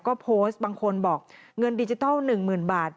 ก็โพสต์บางคนบอกเงินดิจิทัล๑๐๐๐บาท